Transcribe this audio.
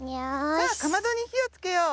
さあかまどにひをつけよう。